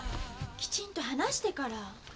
きちんと話してから」